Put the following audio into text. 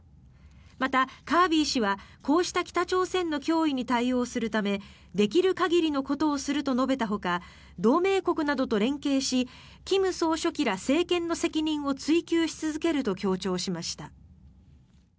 また、カービー氏はこうした北朝鮮の脅威に対応するためできる限りのことをすると述べたほか同盟国などと連携し金総書記ら政権の責任を追及し続けると強調しました。